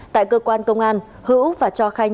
tại cơ quan công an hữu và hải quan tỉnh sơn la đã được bắt giữ